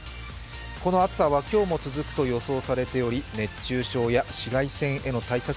この暑さは今日も続くと予想されており熱中症や紫外線への対策